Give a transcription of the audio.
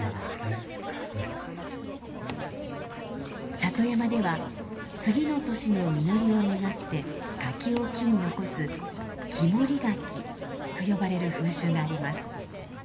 里山では次の年の実りを願って柿を木に残す「木守柿」と呼ばれる風習があります。